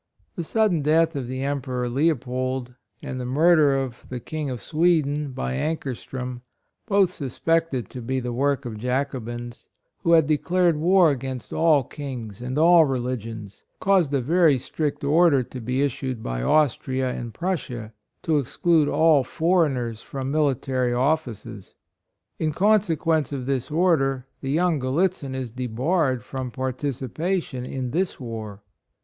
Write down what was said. The A 33 34 MILITAKY LIFE, sudden death of the Emperor Leo pold, and the murder of the King of Sweden, by Ankerstrom, both suspected to be the work of Jaco bins, who had declared war against all kings and all religions, caused a very strict order to be issued by Austria and Prussia, to exclude all foreigners from military offices. In consequence of this order, the young Grallitzin is debarred from partici pation in this war.